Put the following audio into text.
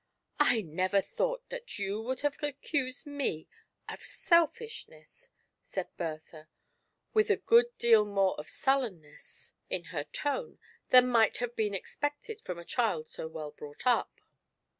" I never thought that you would have accused me of selfishness 1" said Bertha, with a good deal more of sullen ness in her tone than might have been expected from a child so well brought up.